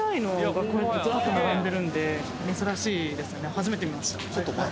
初めて見ました。